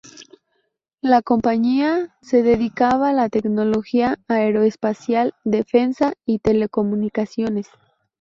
La compañía se dedicaba a la tecnología aeroespacial, defensa y telecomunicaciones.